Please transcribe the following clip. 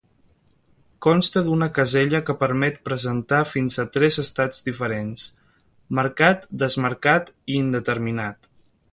Consta d'una casella que permet presentar fins a tres estats diferents: marcat, desmarcat i indeterminat.